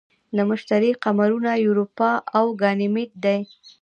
د مشتری قمرونه یوروپا او ګانیمید دي.